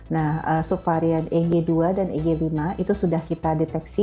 nah subvarian egy dua dan eg lima itu sudah kita deteksi